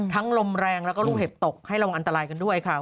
ลมแรงแล้วก็ลูกเห็บตกให้ระวังอันตรายกันด้วยค่ะ